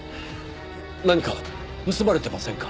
何か盗まれてませんか？